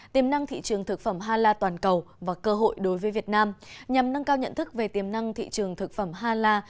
tiềm năng thị trường thực phẩm hala toàn cầu và cơ hội đối với việt nam nhằm nâng cao nhận thức về tiềm năng thị trường thực phẩm hala